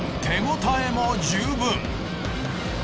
手応えも十分。